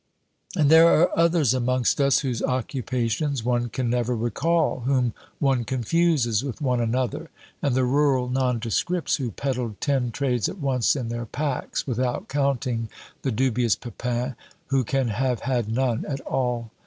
And there are others amongst us whose occupations one can never recall, whom one confuses with one another; and the rural nondescripts who peddled ten trades at once in their packs, without counting the dubious Pepin, who can have had none at all.